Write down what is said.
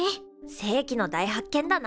世紀の大発見だな。